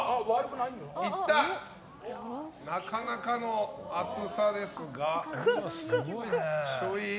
なかなかの厚さですが。